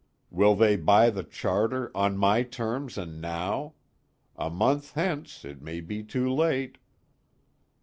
"Will they buy the charter on my terms, and now? A month hence it may be too late."